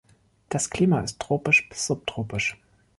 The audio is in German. Das Klima ist tropisch bis subtropisch.